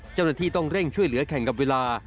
เจ้าหน้าที่ต้องเร่งช่วยเหลือแข่งกับเวลา